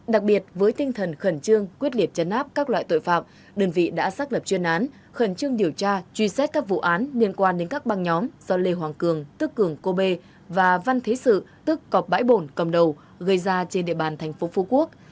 đặc biệt với tinh thần khẩn trương quyết liệt chấn áp các loại tội phạm đơn vị đã xác lập chuyên án khẩn trương điều tra truy xét các vụ án liên quan đến các băng nhóm do lê hoàng cường tức cường cô bê và văn thế sự tức cọp bãi bổn cầm đầu gây ra trên địa bàn thành phố phú quốc